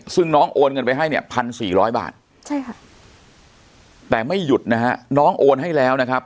ซึ่งน้องโอนเงินไปให้เนี่ย๑๔๐๐บาทใช่ค่ะแต่ไม่หยุดนะฮะน้องโอนให้แล้วนะครับ